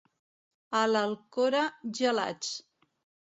A l'Alcora, gelats.